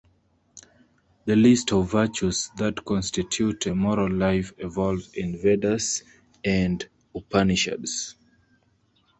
The list of virtues that constitute a moral life evolve in vedas and upanishads.